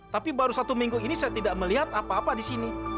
tapi baru satu minggu ini saya tidak melihat apa apa di sini